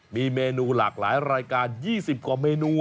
มีเมนูหลากหลายรายการ๒๐กว่าเมนู